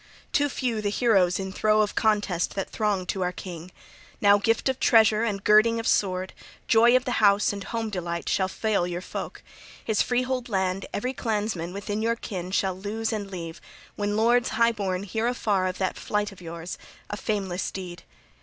Too few the heroes in throe of contest that thronged to our king! Now gift of treasure and girding of sword, joy of the house and home delight shall fail your folk; his freehold land every clansman within your kin shall lose and leave, when lords high born hear afar of that flight of yours, a fameless deed.